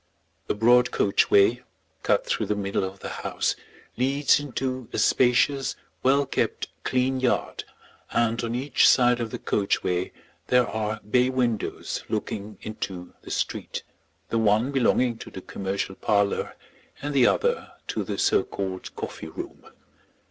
A broad coach way, cut through the middle of the house, leads into a spacious, well kept, clean yard, and on each side of the coach way there are bay windows looking into the street, the one belonging to the commercial parlour, and the other to the so called coffee room.